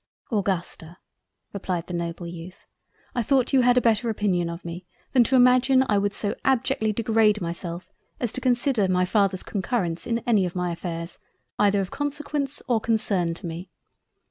"Augusta (replied the noble Youth) I thought you had a better opinion of me, than to imagine I would so abjectly degrade myself as to consider my Father's Concurrence in any of my affairs, either of Consequence or concern to me.